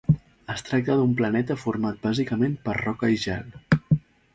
Es tracta d'un planeta format bàsicament per roca i gel.